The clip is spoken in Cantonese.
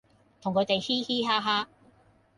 同佢地嘻嘻哈哈